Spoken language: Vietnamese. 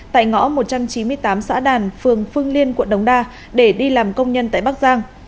tại ngõ một trăm chín mươi tám xã đàn phường phương liên quận đống đa để đi làm công nhân tại bắc giang